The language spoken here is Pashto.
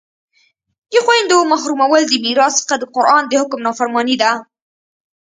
د خویندو محرومول د میراث څخه د قرآن د حکم نافرماني ده